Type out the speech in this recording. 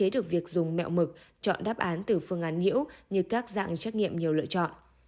dạng thức trắc nghiệm nhiều lựa chọn